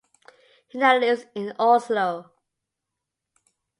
He now lives in Oslo.